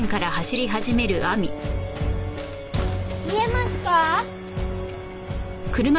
見えますか？